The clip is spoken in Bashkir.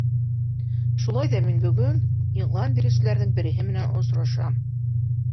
Шулай ҙа мин бөгөн иғлан биреүселәрҙең береһе менән осрашам.